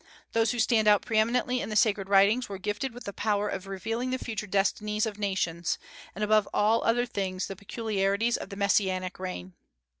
Those who stand out pre eminently in the sacred writings were gifted with the power of revealing the future destinies of nations, and above all other things the peculiarities of the Messianic reign.